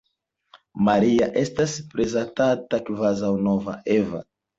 Maria estas prezentata kvazaŭ nova Eva.